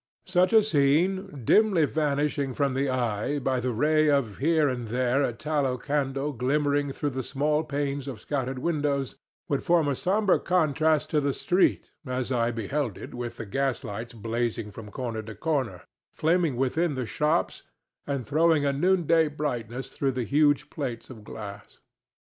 Such a scene, dimly vanishing from the eye by the ray of here and there a tallow candle glimmering through the small panes of scattered windows, would form a sombre contrast to the street as I beheld it with the gaslights blazing from corner to corner, flaming within the shops and throwing a noonday brightness through the huge plates of glass.